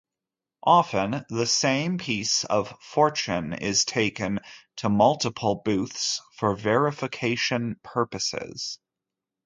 Often the same piece of fortune is taken to multiple booths for verification purposes.